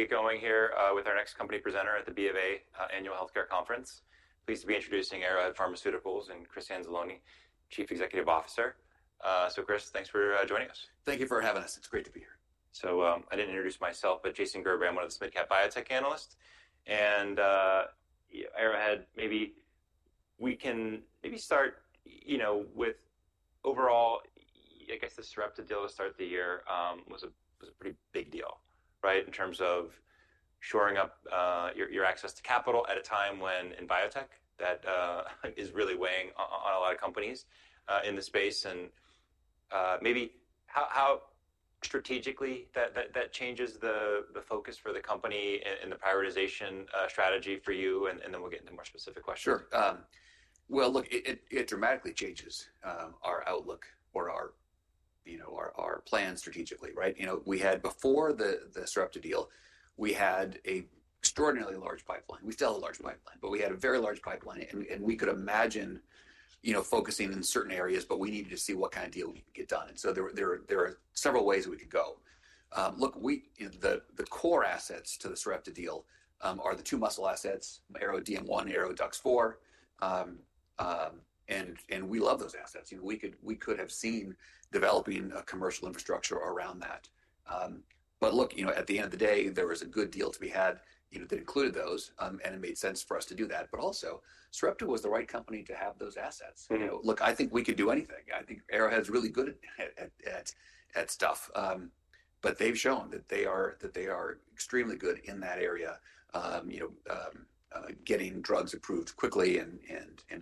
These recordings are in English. We're going to get going here with our next company presenter at the B of A Annual Healthcare Conference. Pleased to be introducing Arrowhead Pharmaceuticals and Chris Anzalone, Chief Executive Officer. Chris, thanks for joining us. Thank you for having us. It's great to be here. I did not introduce myself, but Jason Gerberry, I am one of the mid-cap biotech analysts. Arrowhead, maybe we can maybe start, you know, with overall, I guess the Sarepta deal to start the year was a pretty big deal, right, in terms of shoring up your access to capital at a time when in biotech that is really weighing on a lot of companies in the space. Maybe how strategically that changes the focus for the company and the prioritization strategy for you, and then we will get into more specific questions. Sure. Look, it dramatically changes our outlook or our plan strategically, right? You know, we had before the Sarepta deal, we had an extraordinarily large pipeline. We still have a large pipeline, but we had a very large pipeline. You know, we could imagine focusing in certain areas, but we needed to see what kind of deal we could get done. There are several ways we could go. Look, the core assets to the Sarepta deal are the two muscle assets, ARO-DM1, ARO-DUX4. We love those assets. We could have seen developing a commercial infrastructure around that. You know, at the end of the day, there was a good deal to be had that included those, and it made sense for us to do that. Also, Sarepta was the right company to have those assets. Look, I think we could do anything. I think Arrowhead's really good at stuff, but they've shown that they are extremely good in that area, you know, getting drugs approved quickly and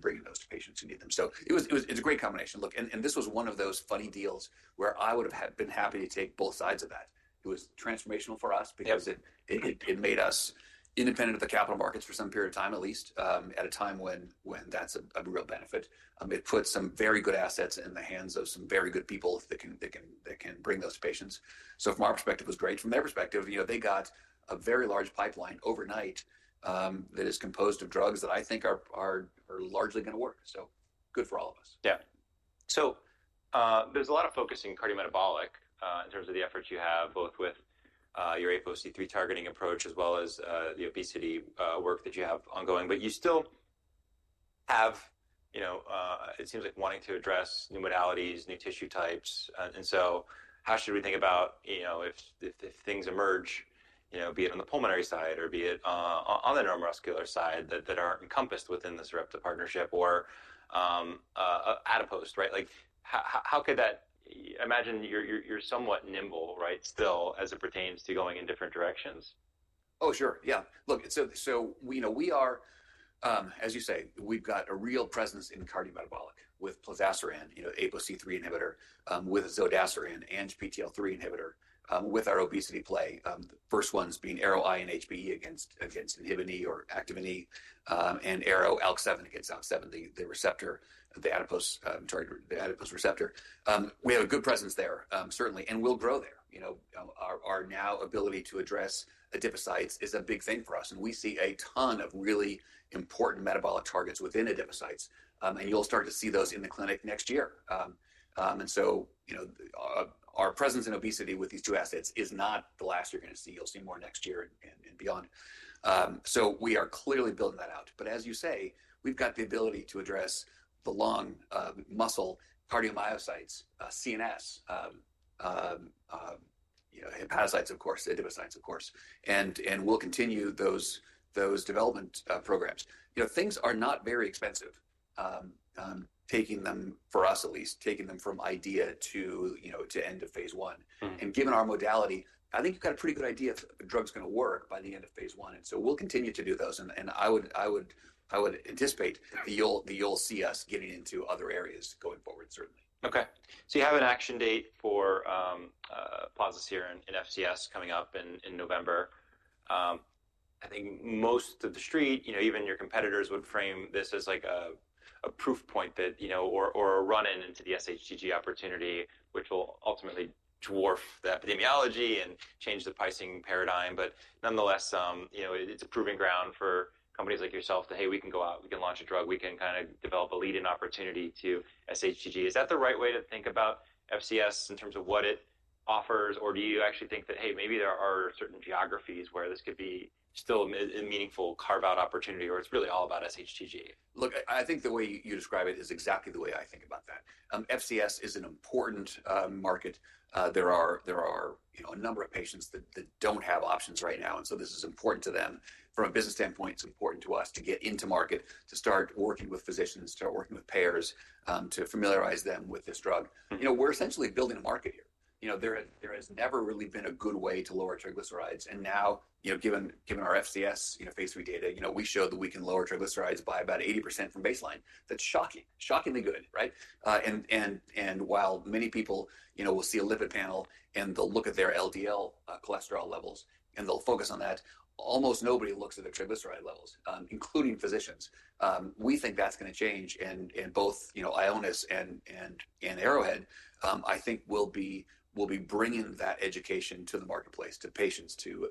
bringing those to patients who need them. It was a great combination. Look, this was one of those funny deals where I would have been happy to take both sides of that. It was transformational for us because it made us independent of the capital markets for some period of time, at least at a time when that's a real benefit. It put some very good assets in the hands of some very good people that can bring those to patients. From our perspective, it was great. From their perspective, you know, they got a very large pipeline overnight that is composed of drugs that I think are largely going to work. Good for all of us. Yeah. There is a lot of focus in cardiometabolic in terms of the efforts you have, both with your ApoC-III targeting approach as well as the obesity work that you have ongoing. You still have, you know, it seems like wanting to address new modalities, new tissue types. How should we think about, you know, if things emerge, you know, be it on the pulmonary side or be it on the neuromuscular side that are encompassed within the Sarepta partnership or adipose, right? Like how could that, imagine you are somewhat nimble, right, still as it pertains to going in different directions? Oh, sure. Yeah. Look, so you know, we are, as you say, we've got a real presence in cardiometabolic with plozasiran, you know, ApoC-III inhibitor, with zodasiran, ANGPTL3 inhibitor, with our obesity play. First ones being ARO-INHBE against INHBE or Activin E, and ARO-ALK7 against ALK7, the receptor, the adipose receptor. We have a good presence there, certainly, and we'll grow there. You know, our now ability to address adipocytes is a big thing for us. And we see a ton of really important metabolic targets within adipocytes. And you'll start to see those in the clinic next year. And so, you know, our presence in obesity with these two assets is not the last you're going to see. You'll see more next year and beyond. We are clearly building that out. As you say, we've got the ability to address the long muscle, cardiomyocytes, CNS, you know, hepatocytes, of course, adipocytes, of course. We'll continue those development programs. You know, things are not very expensive, taking them for us, at least, taking them from idea to, you know, to end of phase one. Given our modality, I think you've got a pretty good idea if the drug's going to work by the end of phase one. We'll continue to do those. I would anticipate that you'll see us getting into other areas going forward, certainly. Okay. So you have an action date for plozasiran in FCS coming up in November. I think most of the street, you know, even your competitors would frame this as like a proof point that, you know, or a run-in into the SHTG opportunity, which will ultimately dwarf the epidemiology and change the pricing paradigm. Nonetheless, you know, it's a proving ground for companies like yourself that, hey, we can go out, we can launch a drug, we can kind of develop a lead-in opportunity to SHTG. Is that the right way to think about FCS in terms of what it offers? Or do you actually think that, hey, maybe there are certain geographies where this could be still a meaningful carve-out opportunity, or it's really all about SHTG? Look, I think the way you describe it is exactly the way I think about that. FCS is an important market. There are a number of patients that do not have options right now. You know, this is important to them. From a business standpoint, it is important to us to get into market, to start working with physicians, to start working with payers, to familiarize them with this drug. You know, we are essentially building a market here. You know, there has never really been a good way to lower triglycerides. Now, you know, given our FCS, you know, phase three data, you know, we showed that we can lower triglycerides by about 80% from baseline. That is shocking, shockingly good, right? While many people, you know, will see a lipid panel and they'll look at their LDL cholesterol levels and they'll focus on that, almost nobody looks at their triglyceride levels, including physicians. We think that's going to change. Both, you know, Ionis and Arrowhead, I think will be bringing that education to the marketplace, to patients, to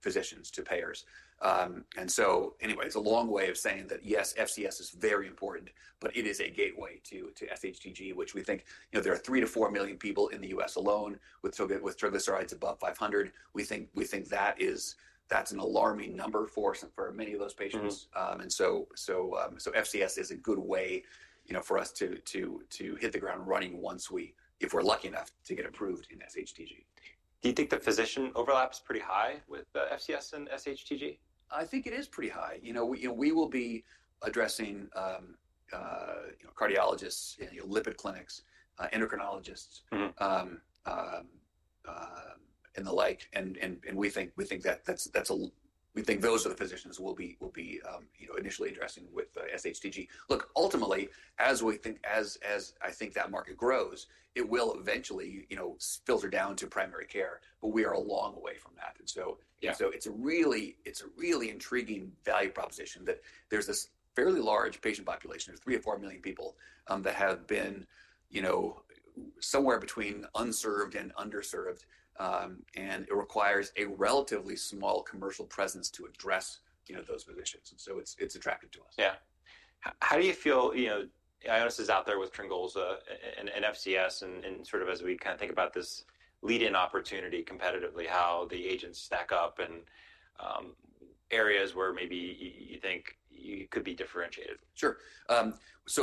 physicians, to payers. Anyway, it's a long way of saying that yes, FCS is very important, but it is a gateway to SHTG, which we think, you know, there are three to four million people in the U.S. alone with triglycerides above 500. We think that is, that's an alarming number for many of those patients. FCS is a good way, you know, for us to hit the ground running once we, if we're lucky enough to get approved in SHTG. Do you think the physician overlap's pretty high with FCS and SHTG? I think it is pretty high. You know, we will be addressing cardiologists, lipid clinics, endocrinologists, and the like. We think that those are the physicians we'll be initially addressing with SHTG. Look, ultimately, as we think, as I think that market grows, it will eventually, you know, filter down to primary care. We are a long way from that. It is a really intriguing value proposition that there's this fairly large patient population, three to four million people that have been, you know, somewhere between unserved and underserved. It requires a relatively small commercial presence to address, you know, those physicians. It is attractive to us. Yeah. How do you feel, you know, Ionis is out there with olezarsen in FCS and sort of as we kind of think about this lead-in opportunity competitively, how the agents stack up and areas where maybe you think you could be differentiated? Sure.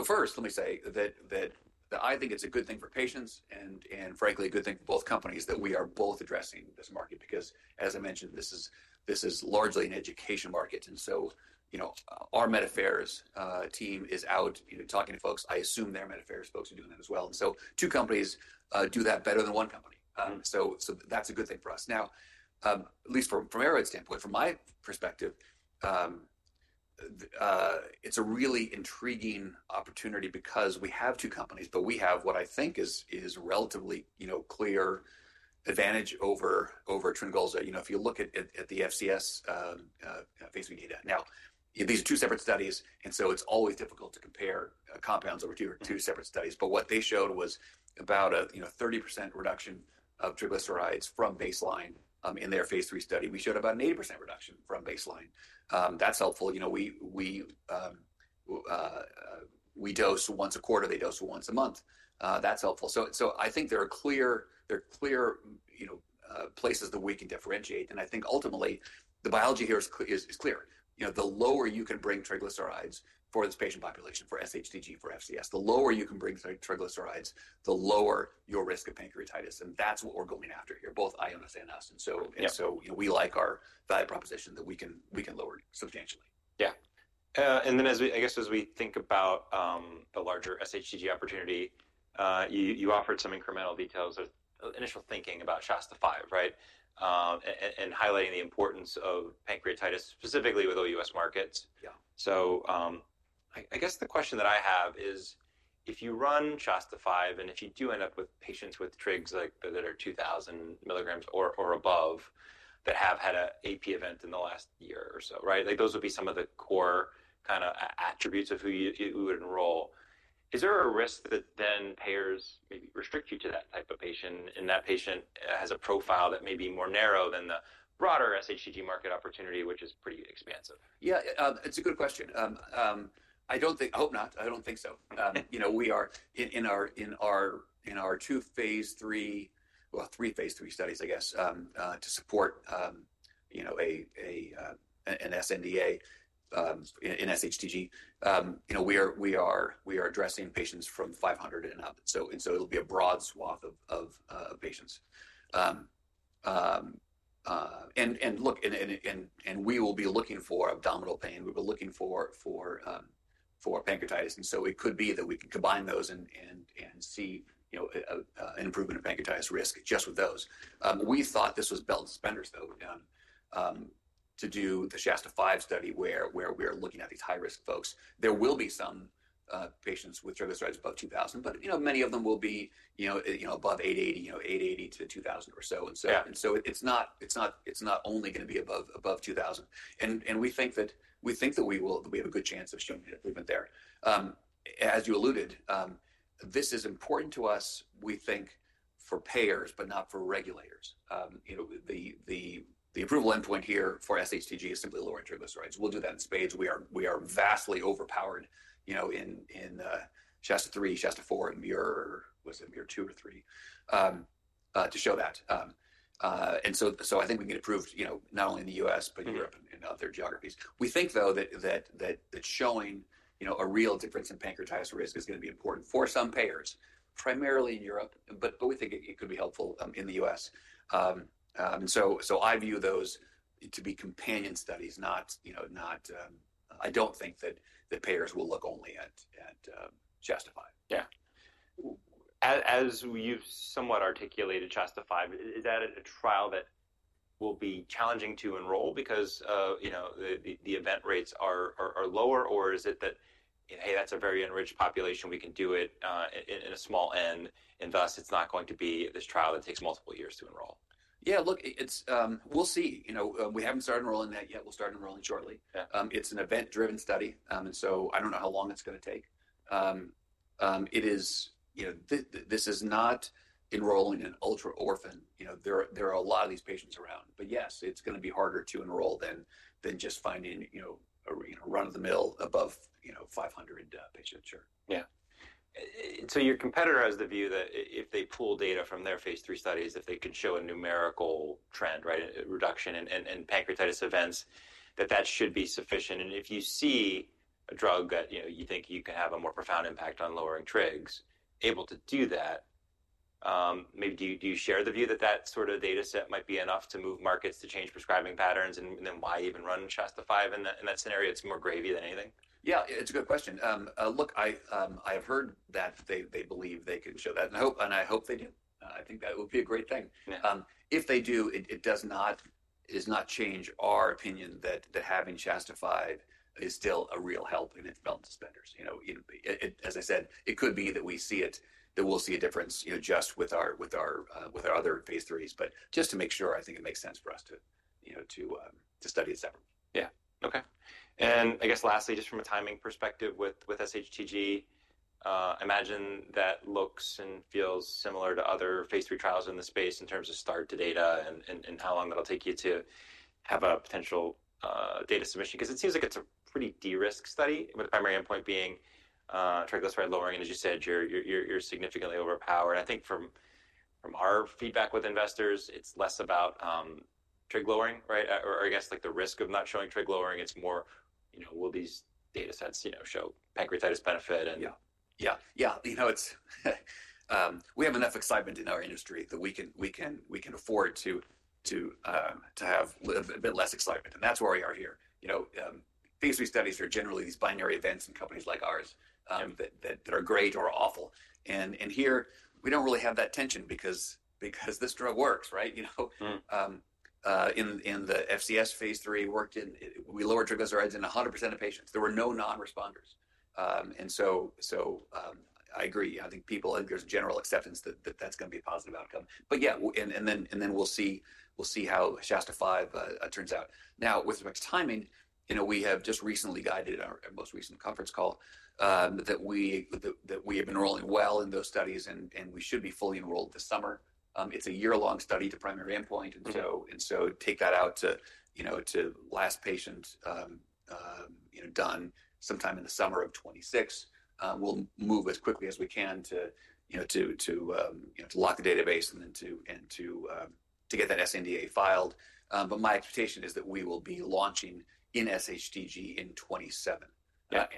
First, let me say that I think it's a good thing for patients and, frankly, a good thing for both companies that we are both addressing this market because, as I mentioned, this is largely an education market. You know, our Medifairs team is out talking to folks. I assume their Medifairs folks are doing that as well. Two companies do that better than one company. That's a good thing for us. At least from Arrowhead's standpoint, from my perspective, it's a really intriguing opportunity because we have two companies, but we have what I think is a relatively, you know, clear advantage over plozasiran. You know, if you look at the FCS phase three data. These are two separate studies, and it's always difficult to compare compounds over two separate studies. What they showed was about a 30% reduction of triglycerides from baseline in their phase three study. We showed about an 80% reduction from baseline. That's helpful. You know, we dose once a quarter, they dose once a month. That's helpful. I think there are clear, you know, places that we can differentiate. I think ultimately the biology here is clear. You know, the lower you can bring triglycerides for this patient population, for SHTG, for FCS, the lower you can bring triglycerides, the lower your risk of pancreatitis. That's what we're going after here, both Ionis and us. We like our value proposition that we can lower substantially. Yeah. I guess as we think about the larger SHTG opportunity, you offered some incremental details, initial thinking about SHASTA-5, right? Highlighting the importance of pancreatitis specifically with OUS markets. I guess the question that I have is, if you run SHASTA-5 and if you do end up with patients with trigs that are 2,000 milligrams or above that have had an AP event in the last year or so, right? Those would be some of the core kind of attributes of who you would enroll. Is there a risk that then payers maybe restrict you to that type of patient and that patient has a profile that may be more narrow than the broader SHTG market opportunity, which is pretty expansive? Yeah, it's a good question. I hope not. I don't think so. You know, we are in our two phase three, well, three phase three studies, I guess, to support, you know, an sNDA, an SHTG. You know, we are addressing patients from 500 and up. And so it'll be a broad swath of patients. Look, we will be looking for abdominal pain. We've been looking for pancreatitis. It could be that we can combine those and see, you know, an improvement in pancreatitis risk just with those. We thought this was belt and suspenders, though, to do the SHASTA-5 study where we are looking at these high-risk folks. There will be some patients with triglycerides above 2,000, but you know, many of them will be, you know, above 880, you know, 880-2,000 or so. It is not only going to be above 2,000. We think that we have a good chance of showing an improvement there. As you alluded, this is important to us, we think, for payers, but not for regulators. You know, the approval endpoint here for SHTG is simply lowering triglycerides. We will do that in spades. We are vastly overpowered, you know, in SHASTA-3, SHASTA-4, and MUIR.. Was it MUIR-2 or 3? To show that. I think we can get approved, you know, not only in the U.S., but in Europe and other geographies. We think, though, that showing, you know, a real difference in pancreatitis risk is going to be important for some payers, primarily in Europe, but we think it could be helpful in the U.S. I view those to be companion studies, not, you know, I do not think that payers will look only at SHASTA-5. Yeah. As you've somewhat articulated, SHASTA-5, is that a trial that will be challenging to enroll because, you know, the event rates are lower? Or is it that, hey, that's a very enriched population, we can do it in a small n, and thus it's not going to be this trial that takes multiple years to enroll? Yeah, look, we'll see. You know, we haven't started enrolling that yet. We'll start enrolling shortly. It's an event-driven study. I don't know how long it's going to take. It is, you know, this is not enrolling an ultra orphan. You know, there are a lot of these patients around. Yes, it's going to be harder to enroll than just finding, you know, a run-of-the-mill above, you know, 500 patients, sure. Yeah. Your competitor has the view that if they pull data from their phase three studies, if they could show a numerical trend, right, reduction in pancreatitis events, that that should be sufficient. If you see a drug that, you know, you think you can have a more profound impact on lowering trigs, able to do that, maybe do you share the view that that sort of data set might be enough to move markets to change prescribing patterns? Why even run SHASTA-5 in that scenario? It is more gravy than anything. Yeah, it's a good question. Look, I have heard that they believe they can show that. And I hope they do. I think that would be a great thing. If they do, it does not change our opinion that having SHASTA-5 is still a real help in its belt and spenders. You know, as I said, it could be that we see it, that we'll see a difference, you know, just with our other phase threes. But just to make sure, I think it makes sense for us to, you know, to study it separately. Yeah. Okay. I guess lastly, just from a timing perspective with SHTG, I imagine that looks and feels similar to other phase three trials in the space in terms of start to data and how long that'll take you to have a potential data submission. It seems like it's a pretty de-risked study, with the primary endpoint being triglyceride lowering. As you said, you're significantly overpowered. I think from our feedback with investors, it's less about trig lowering, right? Or I guess like the risk of not showing trig lowering, it's more, you know, will these data sets, you know, show pancreatitis benefit and. Yeah, yeah, yeah. You know, we have enough excitement in our industry that we can afford to have a bit less excitement. That is where we are here. You know, phase three studies are generally these binary events in companies like ours that are great or awful. Here, we do not really have that tension because this drug works, right? You know, in the FCS phase three, we lowered triglycerides in 100% of patients. There were no non-responders. I agree. I think people, there is general acceptance that that is going to be a positive outcome. Yeah, and then we will see how SHASTA-5 turns out. Now, with respect to timing, you know, we have just recently guided in our most recent conference call that we have been enrolling well in those studies and we should be fully enrolled this summer. It is a year-long study to primary endpoint. Take that out to, you know, to last patient, you know, done sometime in the summer of 2026. We'll move as quickly as we can to, you know, to lock the database and then to get that sNDA filed. My expectation is that we will be launching in SHTG in 2027. That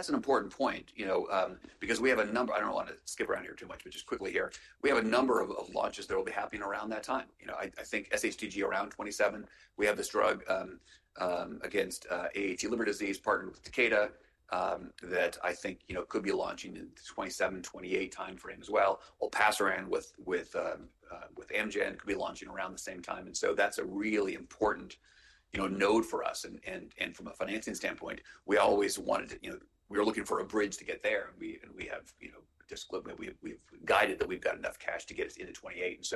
is an important point, you know, because we have a number, I do not want to skip around here too much, but just quickly here, we have a number of launches that will be happening around that time. You know, I think SHTG around 2027, we have this drug against AAT liver disease partnered with Takeda that I think, you know, could be launching in the 2027-2028 timeframe as well. plozasiran with Amgen could be launching around the same time. That is a really important, you know, node for us. From a financing standpoint, we always wanted to, you know, we were looking for a bridge to get there. We have, you know, we've guided that we've got enough cash to get us into 2028.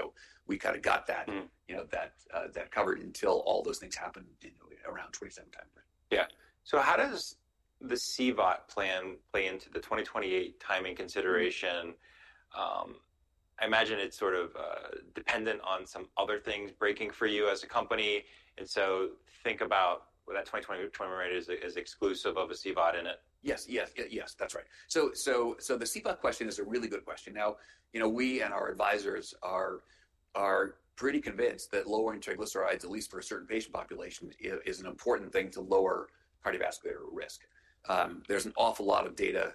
We kind of got that, you know, that covered until all those things happened around the 2027 timeframe. Yeah. So how does the CVOT plan play into the 2028 timing consideration? I imagine it's sort of dependent on some other things breaking for you as a company. Think about that 2028 turnover rate is exclusive of a CVOT in it. Yes, yes, yes, that's right. The CVOT question is a really good question. Now, you know, we and our advisors are pretty convinced that lowering triglycerides, at least for a certain patient population, is an important thing to lower cardiovascular risk. There's an awful lot of data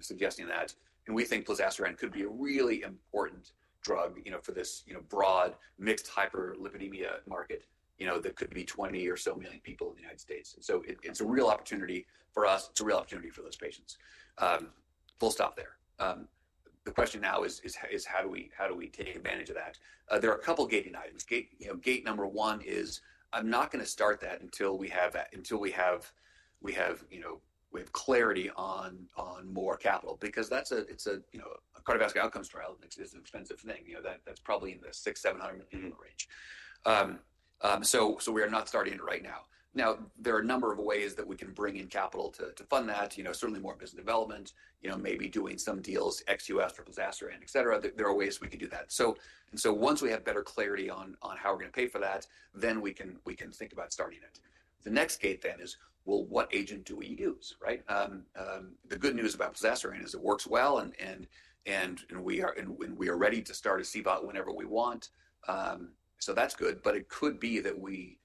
suggesting that. We think plozasiran could be a really important drug, you know, for this, you know, broad mixed hyperlipidemia market, you know, that could be 20 or so million people in the United States. It is a real opportunity for us, it is a real opportunity for those patients. Full stop there. The question now is, how do we take advantage of that? There are a couple of gating items. Gate number one is, I'm not going to start that until we have, you know, we have clarity on more capital. Because that's a, you know, a cardiovascular outcomes trial is an expensive thing. You know, that's probably in the $600 million-$700 million range. We are not starting it right now. There are a number of ways that we can bring in capital to fund that. You know, certainly more business development, maybe doing some deals, ex-U.S. for plozasiran, et cetera. There are ways we can do that. Once we have better clarity on how we're going to pay for that, then we can think about starting it. The next gate then is, what agent do we use, right? The good news about plozasiran is it works well and we are ready to start a CVOT whenever we want. That's good. It could be that we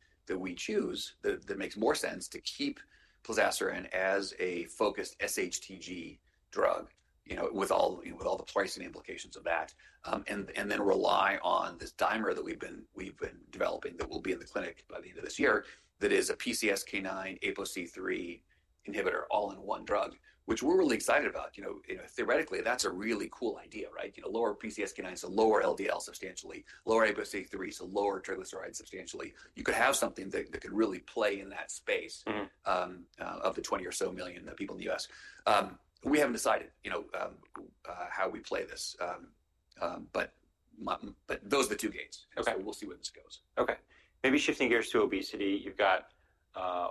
choose that it makes more sense to keep plozasiran as a focused SHTG drug, you know, with all the pricing implications of that. You know, and then rely on this dimer that we've been developing that will be in the clinic by the end of this year that is a PCSK9 ApoC-III inhibitor all in one drug, which we're really excited about. You know, theoretically, that's a really cool idea, right? You know, lower PCSK9, so lower LDL substantially. Lower ApoC-III, so lower triglycerides substantially. You could have something that could really play in that space of the 20 or so million people in the U.S. We haven't decided, you know, how we play this. Those are the two gates. We'll see where this goes. Okay. Maybe shifting gears to obesity. You've got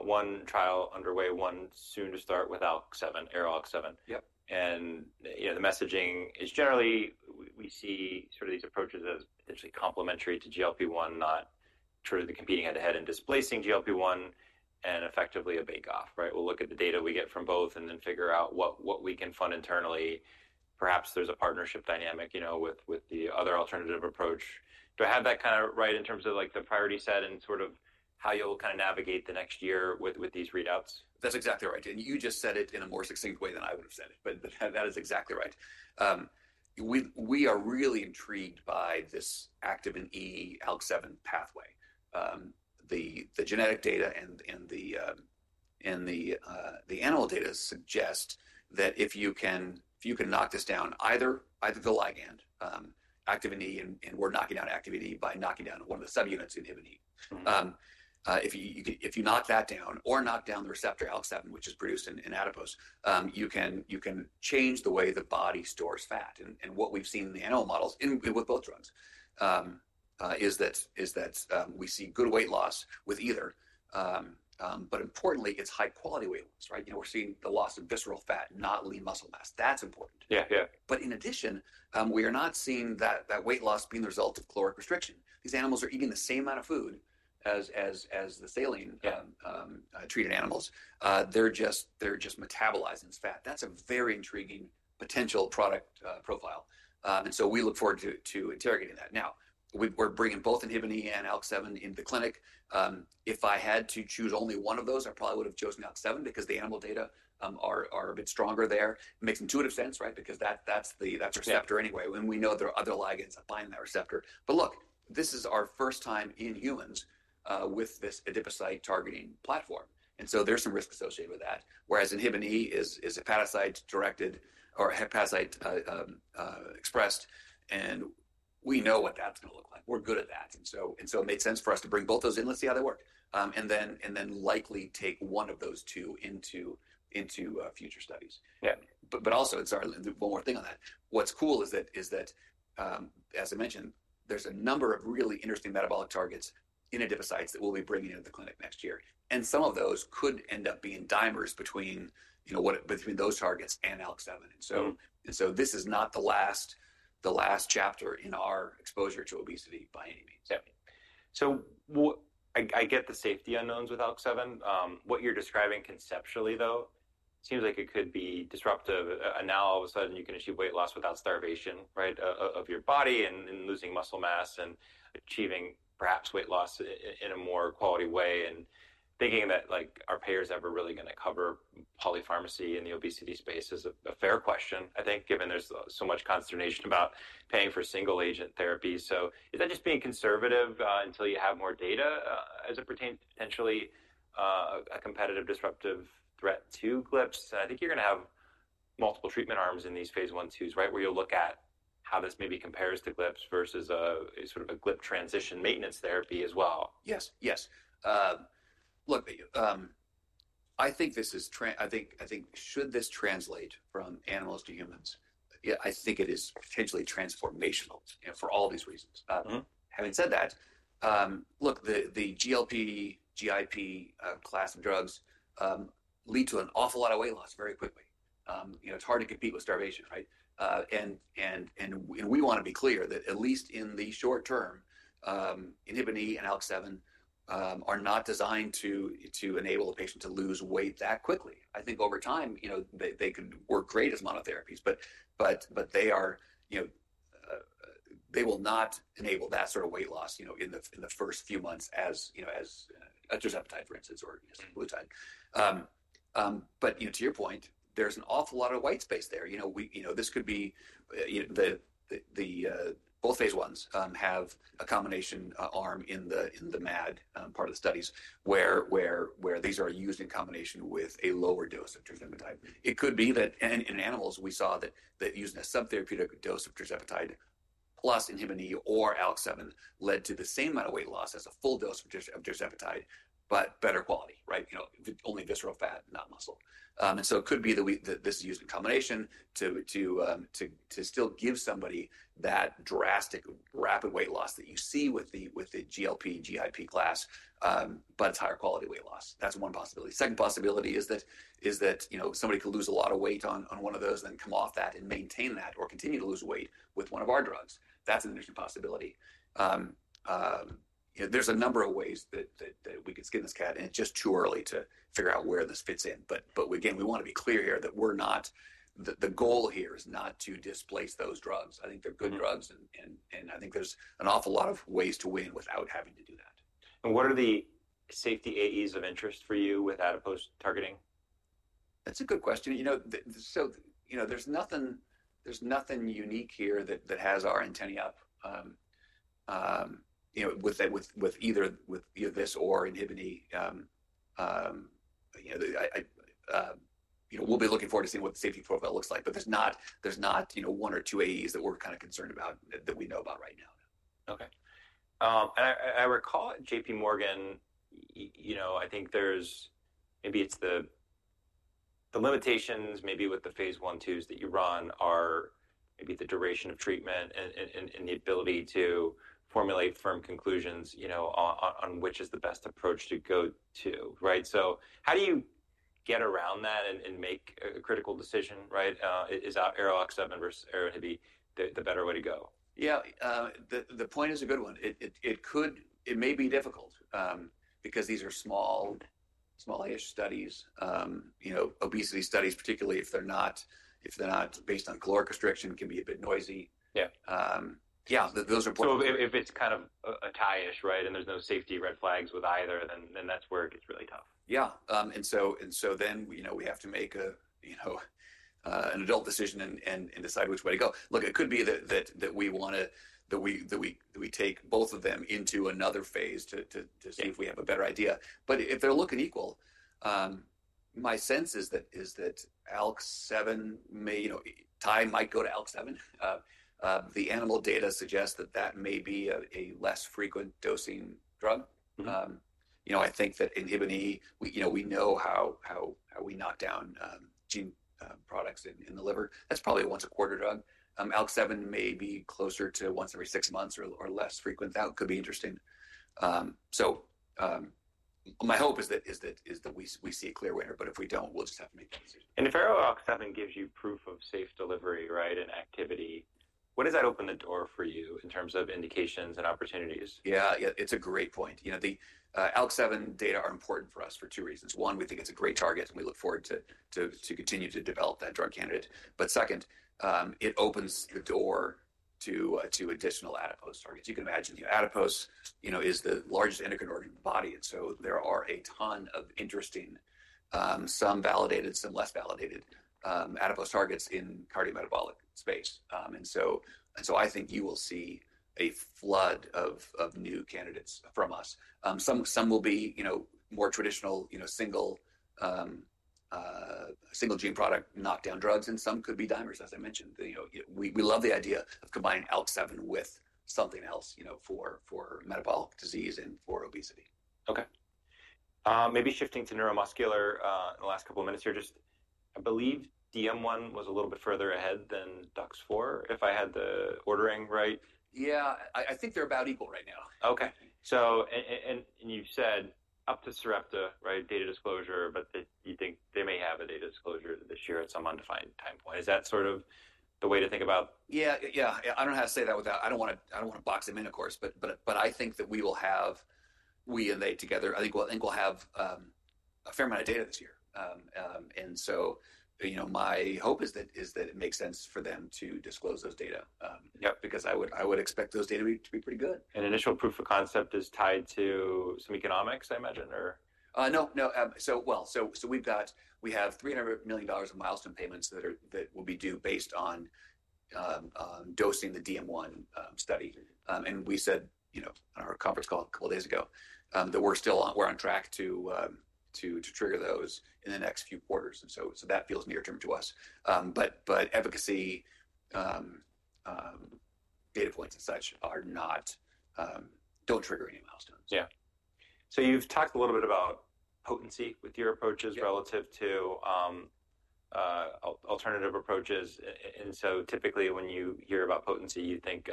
one trial underway, one soon to start with ARO-ALK7. Yep. You know, the messaging is generally we see sort of these approaches as potentially complementary to GLP-1, not truly the competing head-to-head and displacing GLP-1 and effectively a bake-off, right? We'll look at the data we get from both and then figure out what we can fund internally. Perhaps there's a partnership dynamic, you know, with the other alternative approach. Do I have that kind of right in terms of like the priority set and sort of how you'll kind of navigate the next year with these readouts? That's exactly right. You just said it in a more succinct way than I would have said it. That is exactly right. We are really intrigued by this Activin E-ALK7 pathway. The genetic data and the animal data suggest that if you can knock this down, either the ligand Activin E—and we're knocking down Activin E by knocking down one of the subunits, inhibin—if you knock that down or knock down the receptor ALK7, which is produced in adipose, you can change the way the body stores fat. What we've seen in the animal models with both drugs is that we see good weight loss with either. Importantly, it's high-quality weight loss, right? You know, we're seeing the loss of visceral fat, not lean muscle mass. That's important. Yeah, yeah. In addition, we are not seeing that weight loss being the result of caloric restriction. These animals are eating the same amount of food as the saline-treated animals. They're just metabolizing fat. That's a very intriguing potential product profile. We look forward to interrogating that. Now, we're bringing both INHBE and ALK7 into the clinic. If I had to choose only one of those, I probably would have chosen ALK7 because the animal data are a bit stronger there. Makes intuitive sense, right? Because that's the receptor anyway. We know there are other ligands that bind that receptor. Look, this is our first time in humans with this adipocyte-targeting platform. There's some risk associated with that. Whereas INHBE is hepatocyte-directed or hepatocyte-expressed. We know what that's going to look like. We're good at that. It made sense for us to bring both those in, let's see how they work. Then likely take one of those two into future studies. Yeah. Also, one more thing on that. What's cool is that, as I mentioned, there's a number of really interesting metabolic targets in adipocytes that we'll be bringing into the clinic next year. Some of those could end up being dimers between, you know, those targets and ALK7. This is not the last chapter in our exposure to obesity by any means. Yeah. So I get the safety unknowns with ALK7. What you're describing conceptually, though, seems like it could be disruptive. Now, all of a sudden, you can achieve weight loss without starvation, right, of your body and losing muscle mass and achieving perhaps weight loss in a more quality way. And thinking that, like, are payers ever really going to cover polypharmacy in the obesity space is a fair question, I think, given there's so much consternation about paying for single-agent therapy. So is that just being conservative until you have more data as it pertains potentially to a competitive disruptive threat to GLPs? I think you're going to have multiple treatment arms in these phase one twos, right, where you'll look at how this maybe compares to GLPs versus a sort of a GLP transition maintenance therapy as well. Yes, yes. Look, I think this is, I think should this translate from animals to humans, I think it is potentially transformational for all these reasons. Having said that, look, the GLP, GIP class of drugs lead to an awful lot of weight loss very quickly. You know, it's hard to compete with starvation, right? We want to be clear that at least in the short term, INHBE and ALK7 are not designed to enable a patient to lose weight that quickly. I think over time, you know, they could work great as monotherapies, but they are, you know, they will not enable that sort of weight loss, you know, in the first few months as, you know, as just appetite, for instance, or glucide. You know, to your point, there's an awful lot of white space there. You know, this could be, you know, both phase ones have a combination arm in the MAD part of the studies where these are used in combination with a lower dose of tirzepatide. It could be that in animals, we saw that using a subtherapeutic dose of tirzepatide plus INHBE or ALK7 led to the same amount of weight loss as a full dose of tirzepatide, but better quality, right? You know, only visceral fat, not muscle. And so it could be that this is used in combination to still give somebody that drastic rapid weight loss that you see with the GLP, GIP class, but it's higher quality weight loss. That's one possibility. Second possibility is that, you know, somebody could lose a lot of weight on one of those and then come off that and maintain that or continue to lose weight with one of our drugs. That's an interesting possibility. You know, there's a number of ways that we could skin this cat, and it's just too early to figure out where this fits in. Again, we want to be clear here that we're not, the goal here is not to displace those drugs. I think they're good drugs, and I think there's an awful lot of ways to win without having to do that. What are the safety AEs of interest for you with adipose targeting? That's a good question. You know, so, you know, there's nothing unique here that has our antennae up, you know, with either this or INHBE. You know, we'll be looking forward to seeing what the safety profile looks like. But there's not, you know, one or two AEs that we're kind of concerned about that we know about right now. Okay. I recall at JPMorgan, you know, I think there's maybe it's the limitations maybe with the phase one twos that you run are maybe the duration of treatment and the ability to formulate firm conclusions, you know, on which is the best approach to go to, right? How do you get around that and make a critical decision, right? Is ARO-ALK7 versus ARO-INHBE the better way to go? Yeah, the point is a good one. It may be difficult because these are small, small-ish studies, you know, obesity studies, particularly if they're not based on caloric restriction, can be a bit noisy. Yeah. Yeah, those are important. If it's kind of a tie-ish, right, and there's no safety red flags with either, then that's where it gets really tough. Yeah. And so then, you know, we have to make an adult decision and decide which way to go. Look, it could be that we want to, that we take both of them into another phase to see if we have a better idea. If they're looking equal, my sense is that ALK7 may, you know, tie might go to ALK7. The animal data suggest that that may be a less frequent dosing drug. You know, I think that INHBE, you know, we know how we knock down gene products in the liver. That's probably a once-a-quarter drug. ALK7 may be closer to once every six months or less frequent. That could be interesting. My hope is that we see a clear winner. If we don't, we'll just have to make that decision. If ARO-ALK7 gives you proof of safe delivery, right, and activity, what does that open the door for you in terms of indications and opportunities? Yeah, it's a great point. You know, the ALK7 data are important for us for two reasons. One, we think it's a great target, and we look forward to continue to develop that drug candidate. Second, it opens the door to additional adipose targets. You can imagine, you know, adipose, you know, is the largest endocrine organ in the body. There are a ton of interesting, some validated, some less validated adipose targets in cardiometabolic space. I think you will see a flood of new candidates from us. Some will be, you know, more traditional, you know, single gene product knockdown drugs. Some could be dimers, as I mentioned. You know, we love the idea of combining ALK7 with something else, you know, for metabolic disease and for obesity. Okay. Maybe shifting to neuromuscular in the last couple of minutes here. Just, I believe DM1 was a little bit further ahead than DUX4, if I had the ordering right. Yeah, I think they're about equal right now. Okay. So and you've said up to Sarepta, right, data disclosure, but you think they may have a data disclosure this year at some undefined time point. Is that sort of the way to think about? Yeah, yeah. I don't know how to say that without, I don't want to box them in, of course. I think that we will have, we and they together, I think we'll have a fair amount of data this year. You know, my hope is that it makes sense for them to disclose those data. Yep. Because I would expect those data to be pretty good. Is initial proof of concept tied to some economics, I imagine, or? No, no. So, we've got, we have $300 million of milestone payments that will be due based on dosing the DM1 study. And we said, you know, on our conference call a couple of days ago that we're still on, we're on track to trigger those in the next few quarters. And so that feels near-term to us. But efficacy data points and such are not, don't trigger any milestones. Yeah. You've talked a little bit about potency with your approaches relative to alternative approaches. Typically when you hear about potency, you think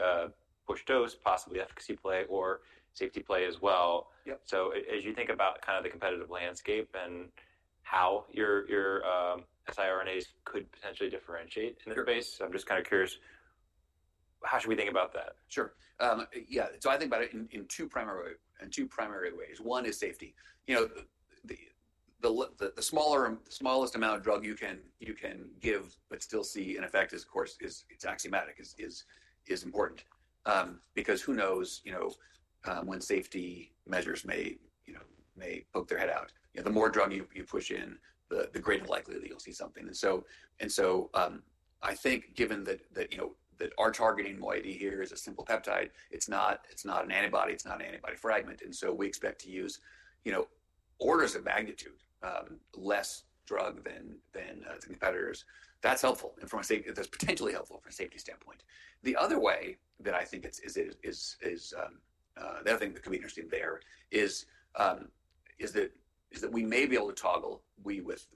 push dose, possibly efficacy play or safety play as well. Yep. As you think about kind of the competitive landscape and how your siRNAs could potentially differentiate in the space, I'm just kind of curious, how should we think about that? Sure. Yeah. I think about it in two primary ways. One is safety. You know, the smallest amount of drug you can give but still see an effect is, of course, it's axiomatic, is important. Because who knows, you know, when safety measures may poke their head out. You know, the more drug you push in, the greater likelihood you'll see something. I think given that, you know, that our targeting moiety here is a simple peptide, it's not an antibody, it's not an antibody fragment. We expect to use, you know, orders of magnitude less drug than the competitors. That's helpful. From a safety, that's potentially helpful from a safety standpoint. The other way that I think is, the other thing that could be interesting there is that we may be able to toggle, we with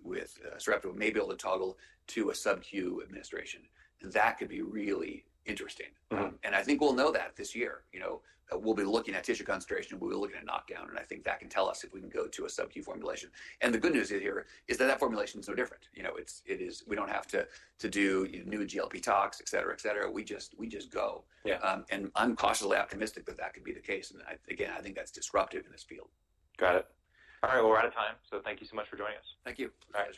Sarepta may be able to toggle to a subQ administration. That could be really interesting. I think we'll know that this year. You know, we'll be looking at tissue concentration, we'll be looking at knockdown, and I think that can tell us if we can go to a subQ formulation. The good news here is that that formulation is no different. You know, it is, we don't have to do new GLP tox, et cetera, et cetera. We just go. Yeah. I'm cautiously optimistic that that could be the case. Again, I think that's disruptive in this field. Got it. All right, we are out of time. Thank you so much for joining us. Thank you. All right.